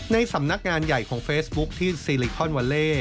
ในสำนักงานใหญ่ของเฟซบุ๊คที่ซีลิคอนวาเล่